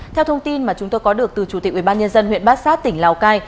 theo thông tin mà chúng tôi có được từ chủ tịch ubnd huyện bát sát tỉnh lào cai